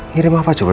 ngirim apa juga